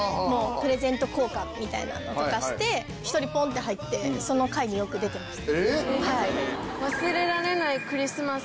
みたいなのとかして１人ポンって入ってその会によく出てました。